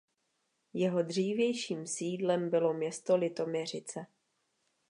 Jeho dřívějším sídlem bylo město Litoměřice.